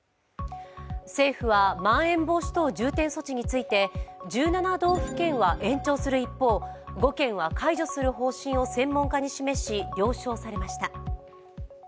政府はまん延防止等重点措置について、１７道府県は延長する一方、５県は解除する方針を専門家に示し了承されました。